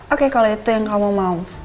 oke kalau itu yang kamu mau